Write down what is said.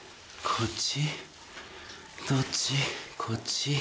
こっち？